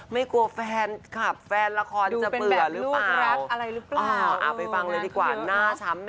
ไม่กลัวแฟนคับ